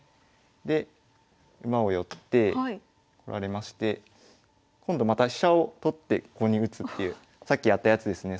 で馬を寄ってこられまして今度また飛車を取ってここに打つっていうさっきやったやつですね。